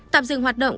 tạm dừng hoạt động